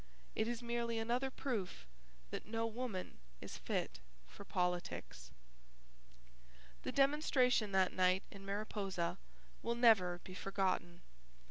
It is merely another proof that no woman is fit for politics. The demonstration that night in Mariposa will never be forgotten.